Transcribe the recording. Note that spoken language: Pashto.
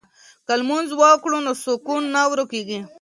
که لمونځ وکړو نو سکون نه ورکيږي.